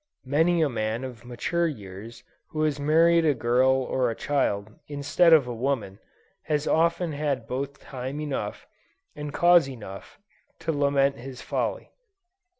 Many a man of mature years who has married a girl or a child, instead of a woman, has often had both time enough, and cause enough to lament his folly.